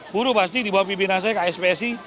buruh pasti dibawa pimpinan saya ke aspsi